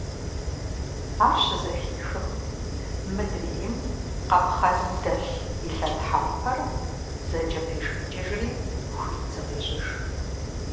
Ар щызэхихым, мыдрейм къапхъэным дэлъ и лъэтхьэмпэр дзэкӀэ пешхыкӀыжри, хуит зыкъещӀыж.